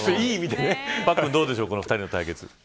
パックン、どうでしょう２人の対決。